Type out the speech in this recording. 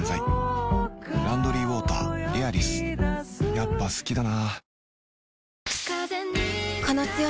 やっぱ好きだな